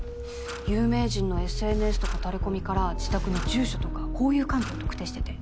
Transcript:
有名人のＳＮＳとかタレコミから自宅の住所とか交友関係を特定してて。